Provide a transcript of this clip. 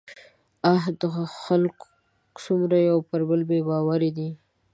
اه! دا خلک څومره پر يوبل بې باوره دي